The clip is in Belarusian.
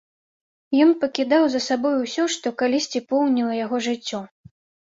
Ён пакідаў за сабою ўсё, што калісьці поўніла яго жыццё.